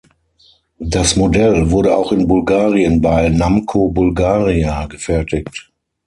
Das Modell wurde auch in Bulgarien bei Namco-Bulgaria gefertigt.